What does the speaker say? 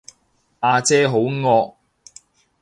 呀姐好惡